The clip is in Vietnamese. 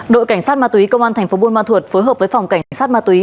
đội cảnh sát ma túy công an thành phố buôn ma thuột phối hợp với phòng cảnh sát ma túy